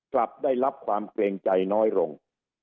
กลับได้รับความเกรงใจน้อยลง